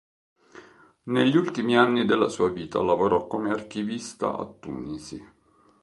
Negli ultimi anni della sua vita lavorò come archivista a Tunisi.